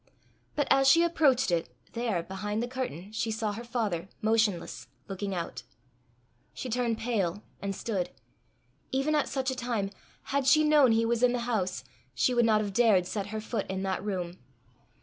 But as she approached it, there, behind the curtain, she saw her father, motionless, looking out. She turned pale, and stood. Even at such a time, had she known he was in the house, she would not have dared set her foot in that room.